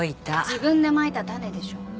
自分でまいた種でしょ？